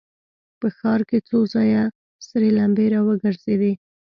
په ښار کې څو ځایه سرې لمبې را وګرځېدې.